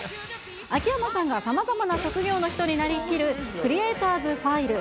秋山さんがさまざまな職業の人になりきるクリエイターズ・ファイル。